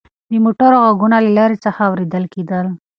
د موټرو غږونه له لرې څخه اورېدل کېدل.